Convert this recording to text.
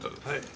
はい。